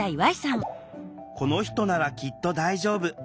「この人ならきっと大丈夫」。